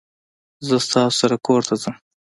زه ستاسو سره کورته ځم